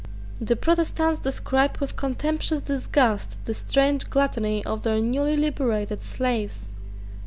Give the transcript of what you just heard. The Protestants described with contemptuous disgust the strange gluttony of their newly liberated slaves.